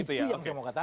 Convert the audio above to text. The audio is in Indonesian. itu yang saya mau katakan